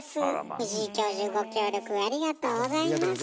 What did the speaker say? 藤井教授ご協力ありがとうございました。